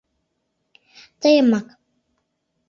— Тыйымак...